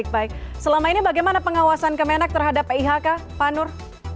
baik selama ini bagaimana pengawasan kemenak terhadap ihk pak nur